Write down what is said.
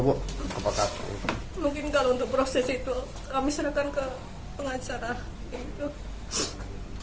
mungkin kalau untuk proses itu kami serahkan ke pengacara